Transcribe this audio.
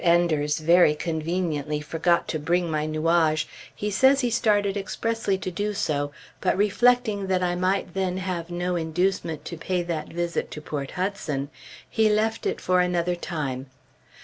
Enders very conveniently forgot to bring my nuage. He says he started expressly to do so, but reflecting that I might then have no inducement to pay that visit to Port Hudson, he left it for another time....